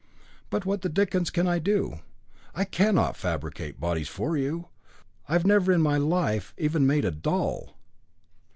"But what the dickens can I do? I cannot fabricate bodies for you. I never in my life even made a doll."